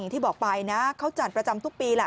ที่บอกไปนะเขาจัดประจำทุกปีแหละ